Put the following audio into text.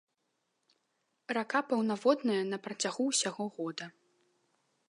Рака паўнаводная на працягу ўсяго года.